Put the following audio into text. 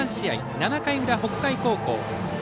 ７回裏、北海高校。